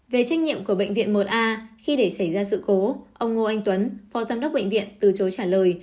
về trách nhiệm của bệnh viện một a khi để xảy ra sự cố ông ngô anh tuấn phó giám đốc bệnh viện từ chối trả lời